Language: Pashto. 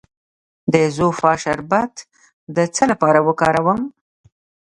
د زوفا شربت د څه لپاره وکاروم؟